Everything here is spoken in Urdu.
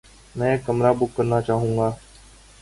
میں ایک کمرہ بک کرانا چاحو گا